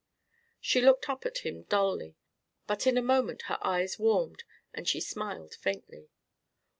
She looked up at him dully. But in a moment her eyes warmed and she smiled faintly.